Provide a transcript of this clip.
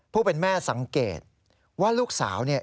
ผู้เป็นแม่สังเกตว่าลูกสาวเนี่ย